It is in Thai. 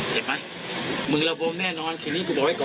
เจ็บไหมมึงระบมแน่นอนคืนนี้กูบอกไว้ก่อน